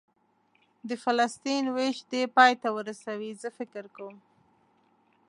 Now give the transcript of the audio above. د فلسطین وېش دې پای ته ورسوي، زه فکر کوم.